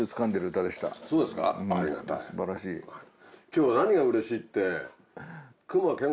今日は何がうれしいって。